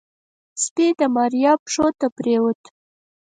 سپي د ماريا پښو ته پرېوت.